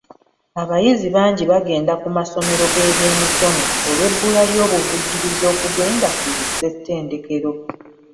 Abayizi bangi bagenda ku masomero g'ebyemikono olw'ebbula ly'obuvujjirizi okugenda ku zi ssetendekero.